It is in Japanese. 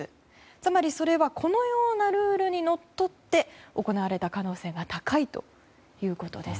つまり、それはこのようなルールにのっとって行われた可能性が高いということです。